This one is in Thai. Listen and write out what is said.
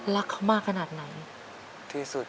รักเขามากขนาดไหน